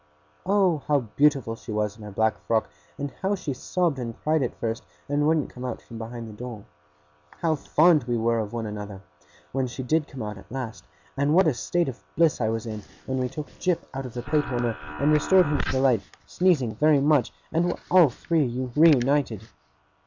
Oh! How beautiful she was in her black frock, and how she sobbed and cried at first, and wouldn't come out from behind the door! How fond we were of one another, when she did come out at last; and what a state of bliss I was in, when we took Jip out of the plate warmer, and restored him to the light, sneezing very much, and were all three reunited!